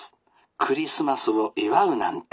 クリスマスを祝うなんて。